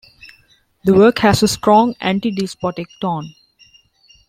The work has a strong anti-despotic tone.